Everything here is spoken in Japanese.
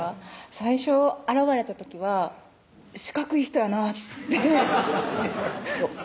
最初現れた時は四角い人やなっていや